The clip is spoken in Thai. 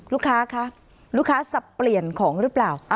ลูกค้าคะลูกค้าสับเปลี่ยนของหรือเปล่า